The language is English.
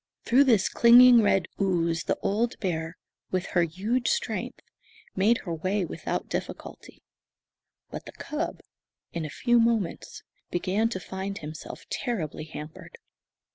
Through this clinging red ooze the old bear, with her huge strength, made her way without difficulty; but the cub, in a few moments, began to find himself terribly hampered.